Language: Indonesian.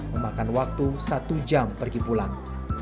memakan waktu satu jam pergi pulang